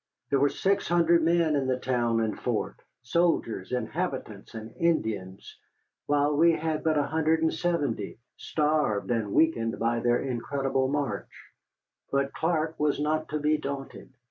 There were six hundred men in the town and fort, soldiers, inhabitants, and Indians, while we had but 170, starved and weakened by their incredible march. But Clark was not to be daunted.